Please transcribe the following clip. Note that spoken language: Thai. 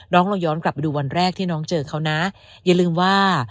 เราย้อนกลับไปดูวันแรกที่น้องเจอเขานะอย่าลืมว่า